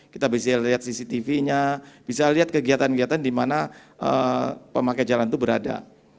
kita bisa lihat cctv nya bisa lihat kegiatan kegiatan di mana pemakai jalan itu berada